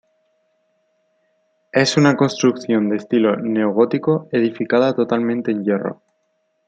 Es una construcción de estilo neogótico, edificada totalmente en hierro.